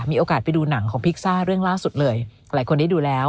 มีโอกาสไปดูหนังของพิซซ่าเรื่องล่าสุดเลยหลายคนได้ดูแล้ว